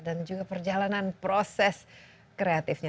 dan juga perjalanan proses kreatifnya